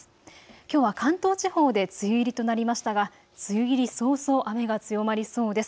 きょうは関東地方で梅雨入りとなりましたが梅雨入り早々、雨が強まりそうです。